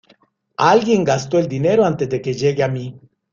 Alguien gastó el dinero antes de que llegue a mi.